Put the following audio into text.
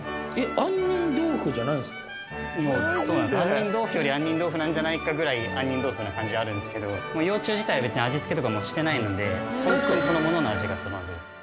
杏仁豆腐より杏仁豆腐なんじゃないかぐらい杏仁豆腐な感じあるんですけど幼虫自体別に味付けとかもしてないのでホントにそのものの味がその味です。